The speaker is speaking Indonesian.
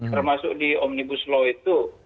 termasuk di omnibus law itu